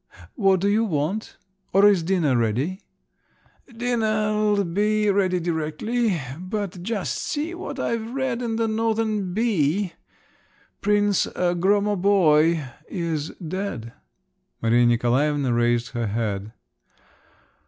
"What do you want? Or is dinner ready?" "Dinner'll be ready directly, but just see what I've read in the Northern Bee … Prince Gromoboy is dead." Maria Nikolaevna raised her head.